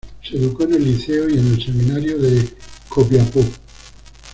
Se educó en el Liceo y en el Seminario de Copiapó.